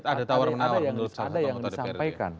ada yang disampaikan